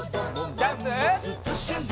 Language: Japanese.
ジャンプ！